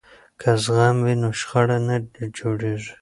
که زغم وي نو شخړه نه جوړیږي.